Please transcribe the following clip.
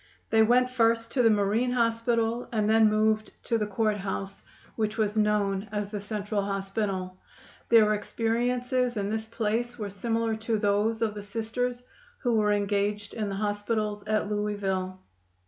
They went first to the Marine Hospital and then moved to the Court House, which was known as the Central Hospital. Their experiences in this place were similar to those of the Sisters who were engaged in the hospitals at Louisville.